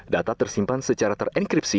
data tersimpan secara terenkripsi